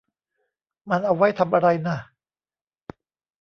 มันเอาไว้ทำอะไรน่ะ